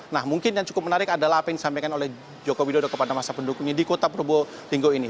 nah mungkin yang cukup menarik adalah apa yang disampaikan oleh joko widodo kepada masa pendukungnya di kota probolinggo ini